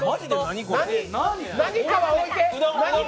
何かは置いて。